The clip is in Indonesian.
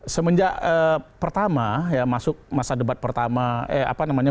semenjak pertama masuk masa debat pertama